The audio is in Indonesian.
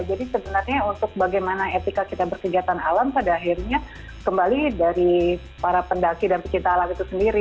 sebenarnya untuk bagaimana etika kita berkegiatan alam pada akhirnya kembali dari para pendaki dan pecinta alam itu sendiri